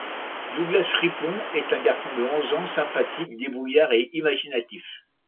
Douglas Fripon est un garçon de onze ans, sympathique, débrouillard et imaginatif.